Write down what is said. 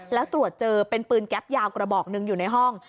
แล้วตรวจเจอเป็นปืนแก๊ปยาวกระบอกหนึ่งอยู่ในห้อง